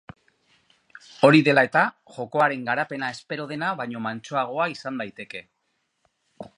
Hori dela eta, jokoaren garapena espero dena baino mantsoagoa izan daiteke.